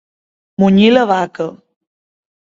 Munyir la vaca.